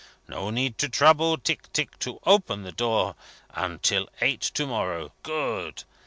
No need to trouble Tick Tick to open the door until eight to morrow. Good!